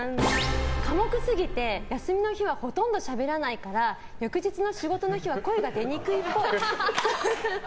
寡黙すぎて、休みの日はほとんどしゃべらないから翌日の仕事の日は声が出にくいっぽい。